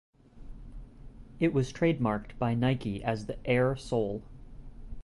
It was trademarked by Nike as the "Air" sole.